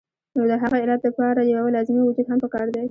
نو د هغې علت د پاره يو لازمي وجود هم پکار دے